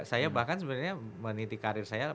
saya bahkan sebenarnya meniti karir saya